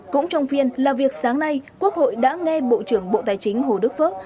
cũng trong phiên làm việc sáng nay quốc hội đã nghe bộ trưởng bộ tài chính hồ đức phước